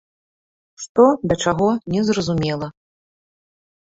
Што да чаго не зразумела.